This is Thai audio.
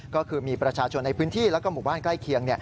ก็คือมีประชาชนในพื้นที่แล้วก็หมู่บ้านใกล้เคียง